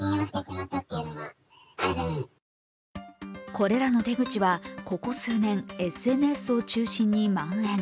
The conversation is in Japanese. これらの手口はここ数年、ＳＮＳを中心にまん延。